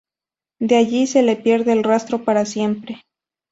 De allí, se le pierde el rastro para siempre.